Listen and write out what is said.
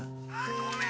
☎ごめん